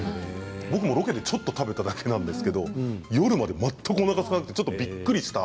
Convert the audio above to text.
僕もロケでちょっと食べただけなんですけど夜まで全くおなかすかなくてちょっとびっくりした。